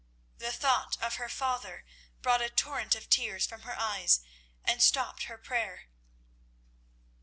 The thought of her father brought a torrent of tears from her eyes and stopped her prayer.